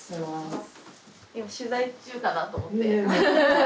今取材中かなと思って。